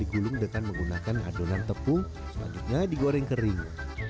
digulung dengan menggunakan adonan tepung selanjutnya digoreng kering